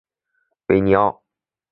维尼奥。